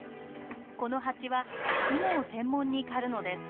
このハチはクモを専門に狩るのです。